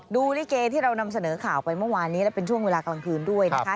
ลิเกที่เรานำเสนอข่าวไปเมื่อวานนี้และเป็นช่วงเวลากลางคืนด้วยนะคะ